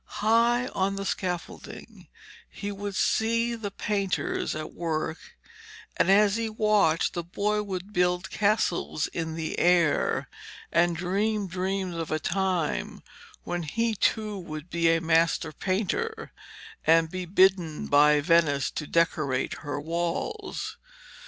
High on the scaffolding he would see the painters at work, and as he watched the boy would build castles in the air, and dream dreams of a time when he too would be a master painter, and be bidden by Venice to decorate her walls.